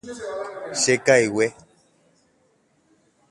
Chekaigue.